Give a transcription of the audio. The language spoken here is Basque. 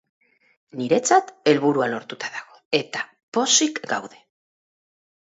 Niretzat helburua lortuta dagoa eta pozik gaude.